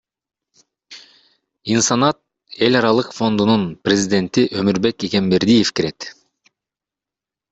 Инсанат эл аралык фондунун президенти Өмурбек Эгембердиев кирет.